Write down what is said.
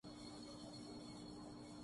لکوں کی زمین کا رقبہ نہ کم ہو